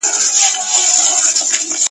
ځوانان د وینو په منځ کي مقاومت کوي.